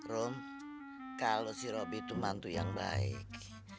rum kalau si robi itu mantu yang baik